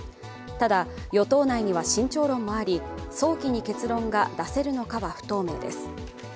ただ、与党内には慎重論もあり、早期に結論が出せるのかは不透明です。